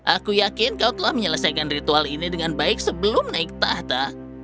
aku yakin kau telah menyelesaikan ritual ini dengan baik sebelum naik tahta